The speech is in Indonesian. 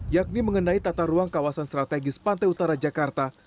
yakni mengenai tata ruang kawasan strategis pantai utara jakarta